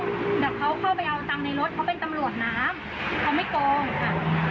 เดี๋ยวเขาเข้าไปเอาตังค์ในรถเขาเป็นตำรวจน้ำเขาไม่โกงค่ะ